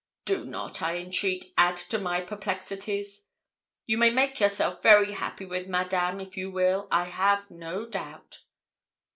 Do not, I entreat, add to my perplexities. You may make yourself very happy with Madame if you will, I have no doubt.'